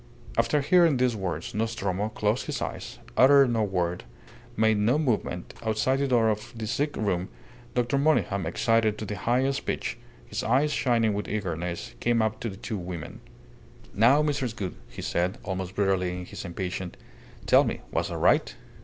After hearing these words, Nostromo closed his eyes, uttered no word, made no movement. Outside the door of the sick room Dr. Monygham, excited to the highest pitch, his eyes shining with eagerness, came up to the two women. "Now, Mrs. Gould," he said, almost brutally in his impatience, "tell me, was I right?